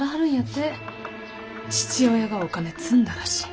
父親がお金積んだらしい。